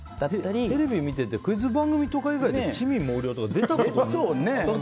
テレビ見ててクイズ番組とか以外で魑魅魍魎とか出たことないけどね。